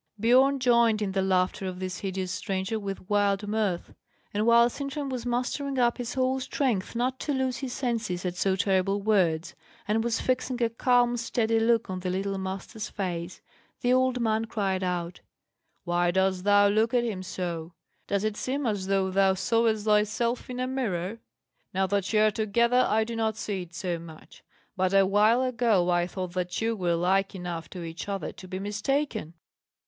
Biorn joined in the laughter of the hideous stranger with wild mirth; and while Sintram was mustering up his whole strength not to lose his senses at so terrible words, and was fixing a calm, steady look on the little Master's face, the old man cried out, "Why dost thou look at him so? Does it seem as though thou sawest thyself in a mirror? Now that you are together, I do not see it so much; but a while ago I thought that you were like enough to each other to be mistaken."